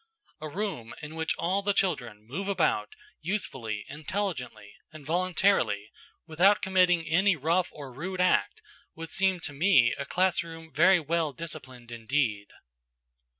A room in which all the children move about usefully, intelligently, and voluntarily, without committing any rough or rude act, would seem to me a classroom very well disciplined indeed.